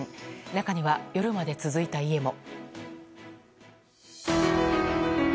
中には夜まで続いた家も。